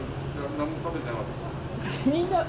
なんも食べてなかった。